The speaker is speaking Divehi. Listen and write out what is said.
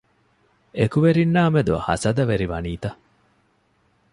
އެކުވެރިންނާ މެދު ހަސަދަވެރި ވަނީތަ؟